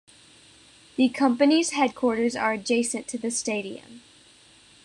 The company's headquarters are adjacent to the stadium.